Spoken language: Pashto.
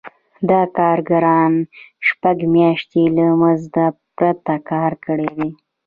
دا کارګرانو شپږ میاشتې له مزد پرته کار کړی دی